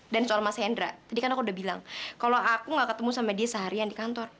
dan soal mas hendra tadi kan aku udah bilang kalau aku gak ketemu sama dia seharian di kantor